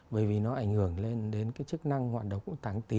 bởi vì nó ảnh hưởng lên đến cái chức năng hoạt động tạng tỳ